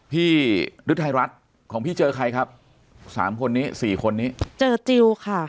ฤทัยรัฐของพี่เจอใครครับสามคนนี้สี่คนนี้เจอจิลค่ะ